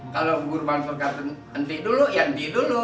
kalau guru mansur kata henti dulu ya henti dulu